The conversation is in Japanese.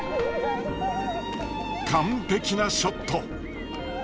完璧なショット！